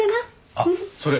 あっそれ